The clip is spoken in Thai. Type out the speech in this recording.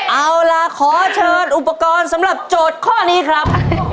เอาล่ะขอเชิญอุปกรณ์สำหรับโจทย์ข้อนี้ครับ